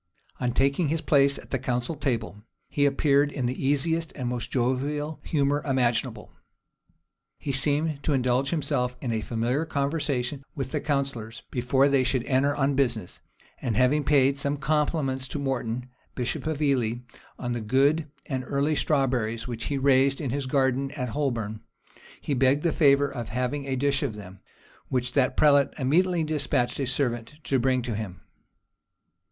On taking his place at the council table, he appeared in the easiest and most jovial humor imaginable. He seemed to indulge himself in familiar conversation with the counsellors, before they should enter on business, and having paid some compliments to Morton, bishop of Ely, on the good and early strawberries which he raised in his garden at Holborn, he begged the favor of having a dish of them, which that prelate immediately despatched a servant to bring to him.